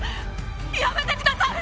やめてください！